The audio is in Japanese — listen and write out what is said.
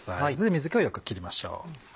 水気をよく切りましょう。